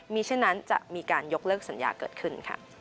มีเช่นนั้นจะมีการยกเลิกสัญญาเกิดขึ้น